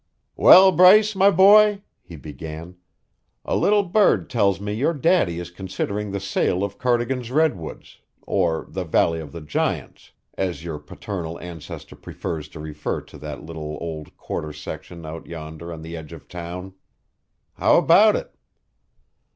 "Well, Bryce, my boy," he began, "a little bird tells me your daddy is considering the sale of Cardigan's Redwoods, or the Valley of the Giants, as your paternal ancestor prefers to refer to that little old quarter section out yonder on the edge of town. How about it?"